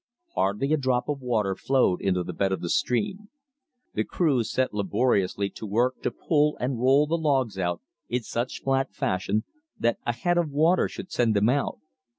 Hardly a drop of water flowed in the bed of the stream. The crews set laboriously to work to pull and roll the logs out in such flat fashion that a head of water should send them out.